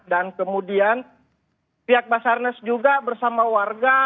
dan kemudian pihak pasarnas juga bersama warga